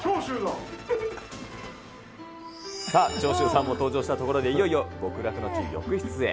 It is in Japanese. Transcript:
さあ、長州さんも登場したところで、いよいよ極楽の地、浴室へ。